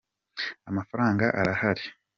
amafaranaga arahari